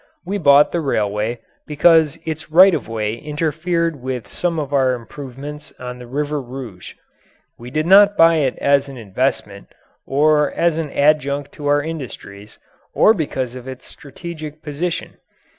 We bought the railway because its right of way interfered with some of our improvements on the River Rouge. We did not buy it as an investment, or as an adjunct to our industries, or because of its strategic position.